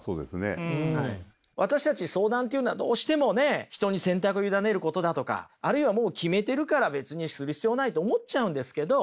私たち相談っていうのはどうしてもね人に選択を委ねることだとかあるいはもう決めてるから別にする必要ないって思っちゃうんですけど